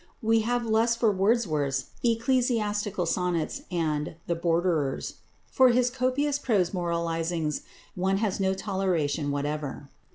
We have less for Wordsworth's "Ecclesiastical Sonnets" and "The Borderers." For his copious prose moralizings one has no toleration whatever.